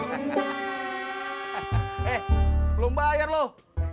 eh belum bayar loh